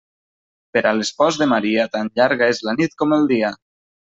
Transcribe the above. Per a l'espòs de Maria tan llarga és la nit com el dia.